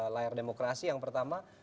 layar demokrasi yang pertama